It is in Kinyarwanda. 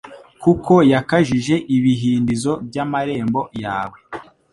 Kuko yakajije ibihindizo by’amarembo yawe